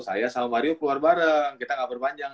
saya sama mario keluar bareng kita gak berpanjang